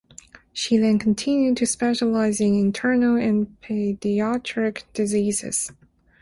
She then continued to specialize in internal and pediatric diseases.